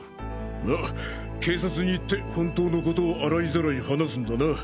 まあ警察に行って本当のことを洗いざらい話すんだな。